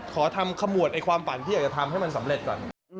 ขอทำขมวดความฝันที่อยากจะทำให้มันสำเร็จก่อน